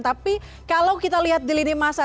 tapi kalau kita lihat di lini masa